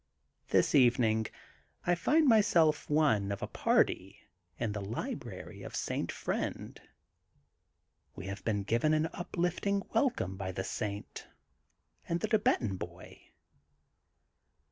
This evening I find myself one of a party in the library of St. Friend. We have been given an uplifting welcome by the saint, and the Thibetan Boy.